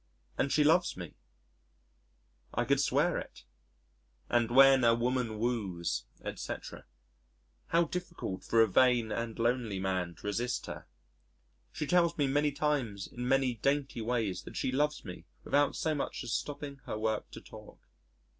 And she loves me I could swear it. "And when a woman woos ..." etc. How difficult for a vain and lonely man to resist her. She tells me many times in many dainty ways that she loves me without so much as stopping her work to talk.